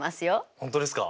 本当ですか？